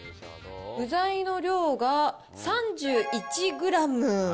具材の量が３１グラム。